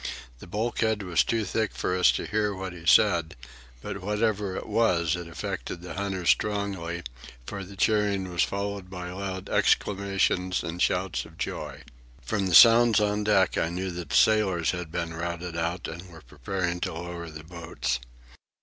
The bulkhead was too thick for us to hear what he said; but whatever it was it affected the hunters strongly, for the cheering was followed by loud exclamations and shouts of joy. From the sounds on deck I knew that the sailors had been routed out and were preparing to lower the boats.